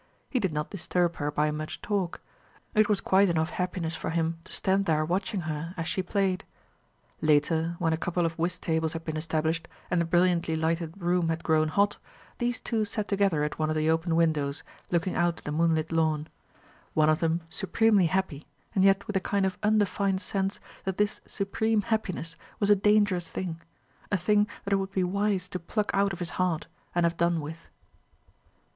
He did not disturb her by much talk: it was quite enough happiness for him to stand there watching her as she played. Later, when a couple of whist tables had been established, and the brilliantly lighted room had grown hot, these two sat together at one of the open windows, looking out at the moonlit lawn; one of them supremely happy, and yet with a kind of undefined sense that this supreme happiness was a dangerous thing a thing that it would be wise to pluck out of his heart, and have done with.